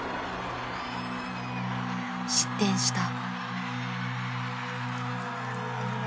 失点した。